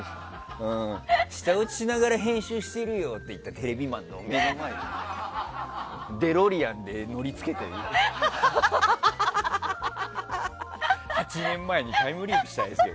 舌打ちしながら編集してるよって言ったテレビマンの目の前にデロリアンで乗り付けて８年前にタイムリープしたいですよ。